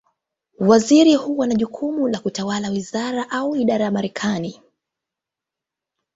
Waziri huwa na jukumu la kutawala wizara, au idara Marekani.